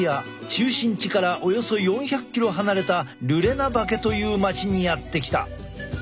中心地からおよそ４００ｋｍ離れたルレナバケという町にやって来た。